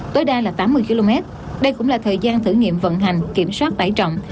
tối đa là tám mươi km đây cũng là thời gian thử nghiệm vận hành kiểm soát tải trọng